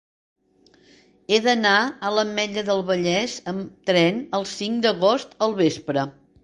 He d'anar a l'Ametlla del Vallès amb tren el cinc d'agost al vespre.